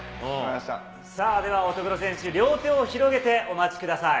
では乙黒選手、両手を広げてお待ちください。